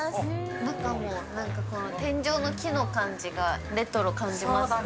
中もなんか、この天井の木の感じが、レトロ感じますね。